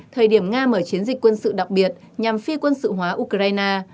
thời điểm nga mở chiến dịch quân sự đặc biệt nhằm phi quân sự hóa ukraine